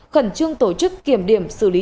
khẩn trương tổ chức kiểm điểm xử lý